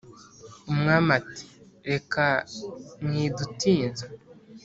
Umwami ati: "Reka mwidutinza!